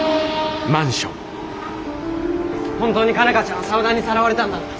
本当に佳奈花ちゃん沢田にさらわれたんだな？